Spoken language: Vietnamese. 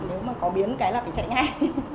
nếu mà có biến cái là phải chạy ngay